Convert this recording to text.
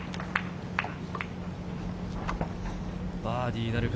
バーディーなるか？